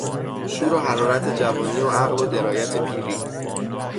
شور و حرارت جوانی و عقل و درایت پیری